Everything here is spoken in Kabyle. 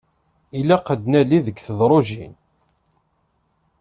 Ilaq ad nali deg tedrujin.